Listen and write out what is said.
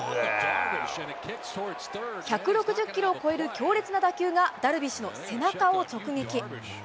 １６０キロを超える強烈な打球が、ダルビッシュの背中を直撃。